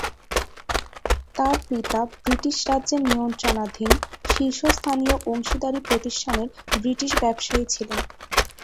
তার পিতা ব্রিটিশ রাজের নিয়ন্ত্রণাধীন শীর্ষস্থানীয় অংশীদারী প্রতিষ্ঠানের ব্রিটিশ ব্যবসায়ী ছিলেন।